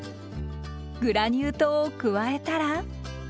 グラニュー糖を加えたら。